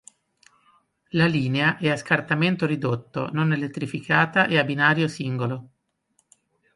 La linea è a scartamento ridotto, non elettrificata e a binario singolo.